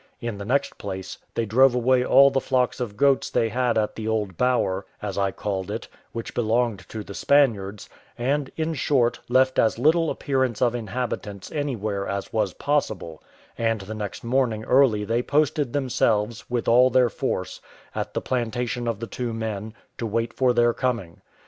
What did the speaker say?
In the next place, they drove away all the flocks of goats they had at the old bower, as I called it, which belonged to the Spaniards; and, in short, left as little appearance of inhabitants anywhere as was possible; and the next morning early they posted themselves, with all their force, at the plantation of the two men, to wait for their coming.